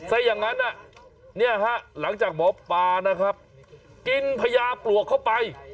ซะอย่างนั้นเนี่ยฮะหลังจากหมอปลานะครับกินพญาปลวกเข้าไป